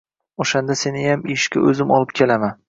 Oʻshanda seniyam ishga oʻzim olib kelaman